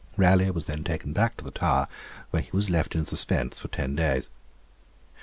Raleigh was then taken back to the Tower, where he was left in suspense for ten days.